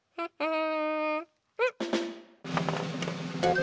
ん？